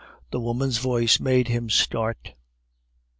The woman's voice made him start.